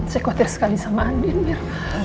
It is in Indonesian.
saya khawatir sekali sama andin mir